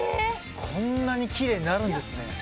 こんなにキレイになるんですね。